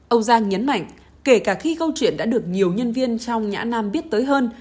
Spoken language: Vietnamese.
ông giang nhấn mạnh kể cả khi câu chuyện đã được nhiều nhân viên trong nhã nam biết tới hơn